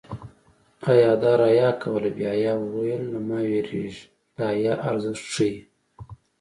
حیادار حیا کوله بې حیا ویل له ما وېرېږي د حیا ارزښت ښيي